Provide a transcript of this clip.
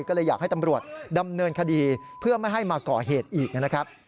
ก็เลยอยากให้ตำรวจดำเนินคดีเพื่อไม่ให้มาก่อเหตุอีกนะครับ